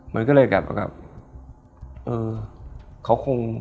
มันก็เลยแบบ